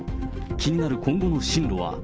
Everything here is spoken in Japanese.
気になる今後の進路は。